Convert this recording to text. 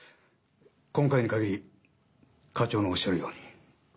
今回にかぎり課長のおっしゃるように。